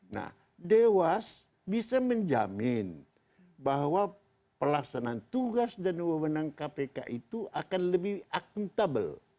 nah dewas bisa menjamin bahwa pelaksanaan tugas dan wawenang kpk itu akan lebih akuntabel